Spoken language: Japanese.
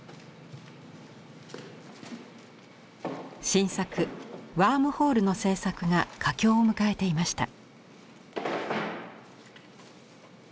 新作「ＷＯＲＭＨＯＬＥ」の制作が佳境を迎えていました。